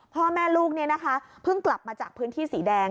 พ่อแม่ลูกเพิ่งกลับมาจากพื้นที่สีแดง